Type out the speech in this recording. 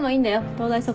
東大卒。